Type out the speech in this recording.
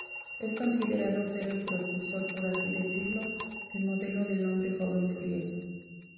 Es considerado ser el precursor, por así decirlo, del modelo del 'hombre joven furioso'.